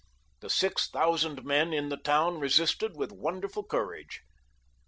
The six thousand men in the town resisted with wonderful courage.